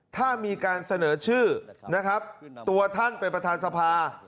ถ้ามีการเสนอชื่อนะครับตัวท่านเป็นประธานสภา